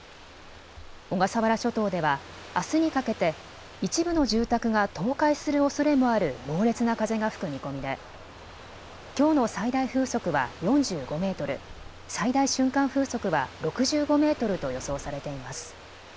小笠原諸島ではあすにかけて一部の住宅が倒壊するおそれもある猛烈な風が吹く見込みできょうの最大風速は４５メートル、最大瞬間風速は６５メートルと予想されています。